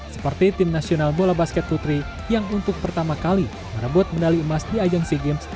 seperti tim nasional bola basket putri yang untuk pertama kali merebut medali emas di ajang sea games